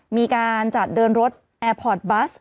มีการจัดเดินรถแอร์พอร์ตบัส